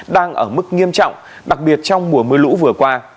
đang ở mức nghiêm trọng đặc biệt trong mùa mưa lũ vừa qua